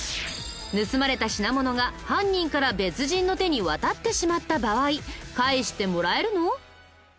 盗まれた品物が犯人から別人の手に渡ってしまった場合返してもらえるの？